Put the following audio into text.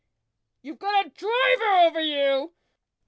"You've got a driver over you!